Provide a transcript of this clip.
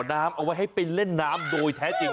น้ำเอาไว้ให้ไปเล่นน้ำโดยแท้จริง